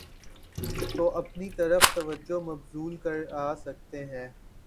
تواپنی طرف توجہ مبذول کراسکتاہے۔